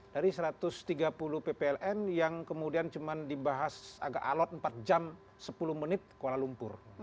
dari satu ratus tiga puluh ppln yang kemudian cuma dibahas agak alot empat jam sepuluh menit kuala lumpur